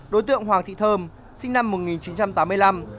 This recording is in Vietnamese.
đối tượng hoàng thị thơm sinh năm một nghìn chín trăm tám mươi năm